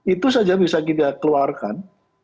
itu saja bisa kita keluarkan